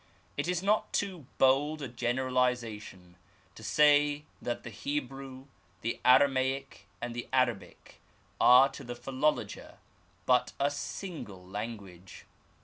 It is not too bold a generalization to say that the Hebrew, the Aramaic, and the Arabic are to the philologer but a single language.